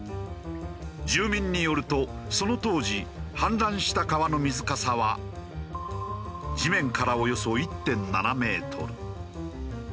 住民によるとその当時氾濫した川の水かさは地面からおよそ１．７メートル。